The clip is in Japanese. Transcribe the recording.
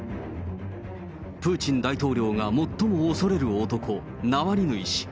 プーチン大統領が最も恐れる男、ナワリヌイ氏。